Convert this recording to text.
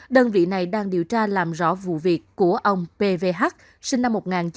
đơn vị này đang điều tra làm rõ vụ việc của ông p v h sinh năm một nghìn chín trăm năm mươi hai